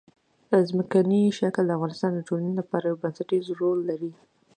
ځمکنی شکل د افغانستان د ټولنې لپاره یو بنسټيز رول لري.